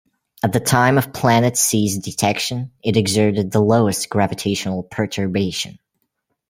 At the time of planet c's detection, it exerted the lowest gravitational perturbation.